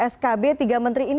skb tiga menteri ini